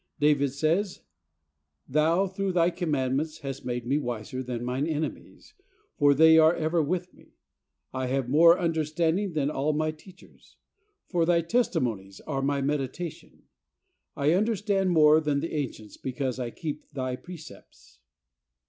David says, "Thou, through Thy commandments hast made me wiser than mine enemies ; for they are ever with me. I have more understanding than all my teachers; for Thy testimonies are my meditation. I understand more than the ancients, because I keep Thy precepts."